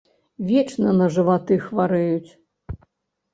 Вечна на жываты хварэюць.